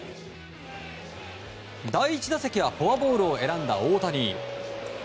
第１打席はフォアボールを選んだ大谷。